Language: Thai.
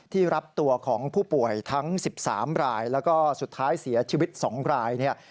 รับตัวของผู้ป่วยทั้ง๑๓รายแล้วก็สุดท้ายเสียชีวิต๒รายเนี่ย